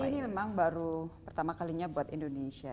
jadi ini memang baru pertama kalinya buat indonesia